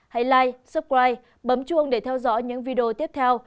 hãy like subscribe bấm chuông để theo dõi những video tiếp theo